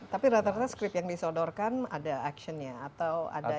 tapi rata rata script yang disodorkan ada action nya atau ada yang